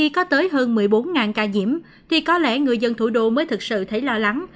có tới hơn một mươi bốn ca nhiễm thì có lẽ người dân thủ đô mới thực sự thấy lo lắng